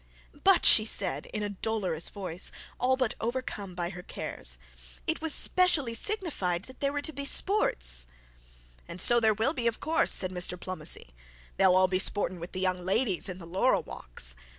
'But,' said she in dolorous voice, all but overcome by her cares; 'it was specially signified that there were to be sports.' 'And so there will be, of course,' said Mr Pomney. 'They'll all be sporting with the young ladies in the laurel walks.